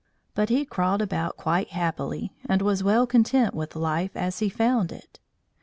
But he crawled about quite happily, and was well content with life as he found it.